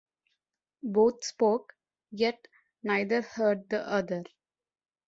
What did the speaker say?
Both spoke, yet neither heard the other.